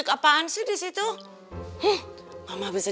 kok ada yang balance nya manisnya